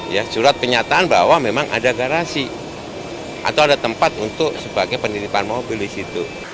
ya surat penyataan bahwa memang ada garasi atau ada tempat untuk sebagai penitipan mobil di situ